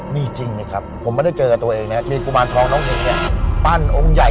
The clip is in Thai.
มีจริงไหมครับผมไม่ได้เจอกับตัวเองนะครับมีกุมารทองน้องเด็กเนี่ยปั้นองค์ใหญ่